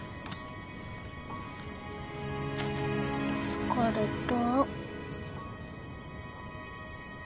疲れた。